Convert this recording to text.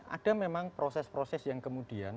ada memang proses proses yang kemudian